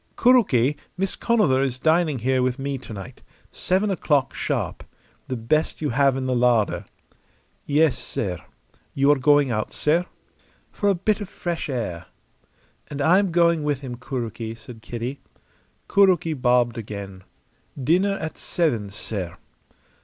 "Kuroki, Miss Conover is dining here with me to night. Seven o'clock sharp. The best you have in the larder." "Yes, sair. You are going out, sair?" "For a bit of fresh air." "And I am going with him, Kuroki," said Kitty. Kuroki bobbed again. "Dinner at seven, sair."